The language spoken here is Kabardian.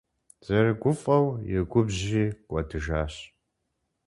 ЗэрыгуфӀэу и губжьри кӀуэдыжащ.